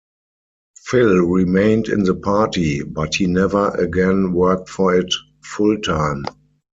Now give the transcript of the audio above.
Phil remained in the Party, but he never again worked for it full time.